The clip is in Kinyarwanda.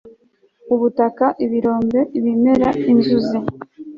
Ubutaka ibirombe ibimera inzuzi